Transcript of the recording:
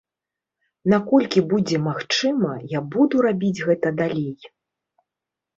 Наколькі будзе магчыма, я буду рабіць гэта далей.